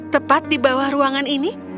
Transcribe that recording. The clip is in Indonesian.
tepat di bawah ruangan ini